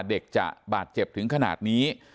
เด็กจะบาดเจ็บถึงขนาดนี้